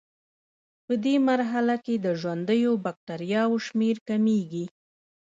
پدې مرحله کې د ژوندیو بکټریاوو شمېر کمیږي.